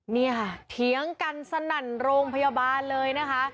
นี่ค่ะเถียงกันสนั่นโรงพยาบาลเลยนะคะ